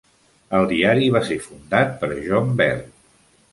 El diari va ser fundat per John Bell.